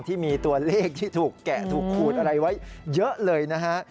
ที่มีตัวเลขที่ถูกแกะถูกขูดอะไรไว้เยอะเลยนะฮะ